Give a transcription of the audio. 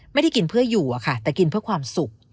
ไม่ได้กินเพื่ออยู่อะค่ะแต่กินเพื่อความสุข